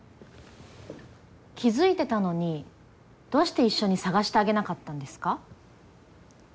気付いてたのにどうして一緒に探してあげなかったんですか？